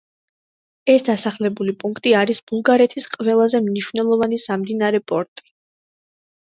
ეს დასახლებული პუნქტი არის ბულგარეთის ყველაზე მნიშვნელოვანი სამდინარე პორტი.